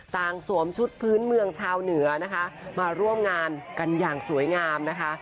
สวมชุดพื้นเมืองชาวเหนือนะคะมาร่วมงานกันอย่างสวยงามนะคะ